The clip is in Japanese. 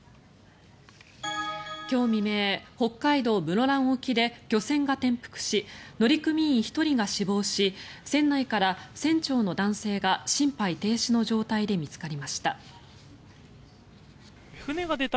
今日未明北海道・室蘭沖で漁船が転覆し乗組員１人が死亡し船内から船長の男性が心肺停止の状態で見つかりました。